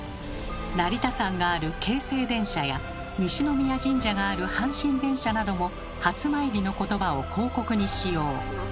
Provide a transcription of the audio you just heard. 成田山がある京成電車や西宮神社がある阪神電車なども「はつまいり」の言葉を広告に使用。